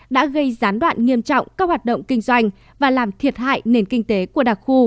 đã gây gián đoạn nghiêm trọng các hoạt động kinh doanh và làm thiệt hại nền kinh tế của đặc khu